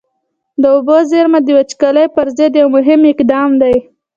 د اوبو زېرمه د وچکالۍ پر ضد یو مهم اقدام دی.